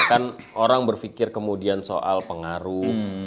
kan orang berpikir kemudian soal pengaruh